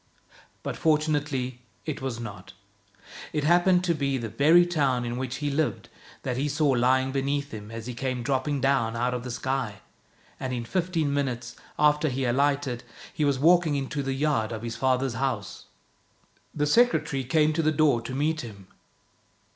But fortunately it was not. It happened to be the very town in which he lived that he saw lying beneath him as he came dropping down out of the sky; and in fifteen minutes after he alighted, he was walking into the yard of his father's house. The secretary came to the door to meet him.